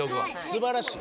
すばらしい。